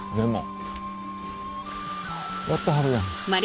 やってはるやん。